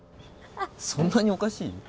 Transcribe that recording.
そんなにおかしい？